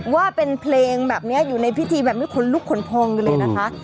ว่าเป็นเพลงแบบนี้อยู่ในพิธีแบบไม่ค้นลุกเขินพงท์เลยนะคะ